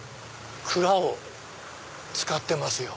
蔵を使ってますよ。